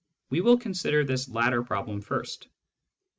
We will consider this latter problem first.